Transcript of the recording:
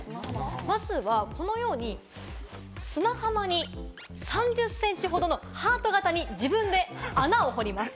まずはこのように砂浜に３０センチほどのハート型に自分で穴を掘ります。